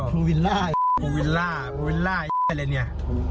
ภูวิลล่าภูวิลล่าภูวิลล่าอะไรเนี่ย